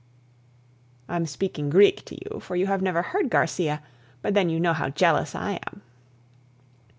I'm speaking Greek to you, for you never heard Garcia, but then you know how jealous I am!